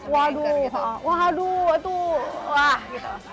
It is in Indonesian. waduh waduh itu wah gitu